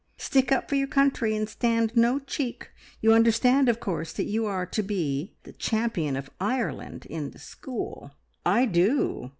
"Stick up for your country, and stand no cheek. You understand, of course, that you are to be the Champion of Ireland in the school." "I do!"